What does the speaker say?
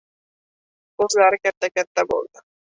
Ko‘zlari katta-katta bo‘ldi.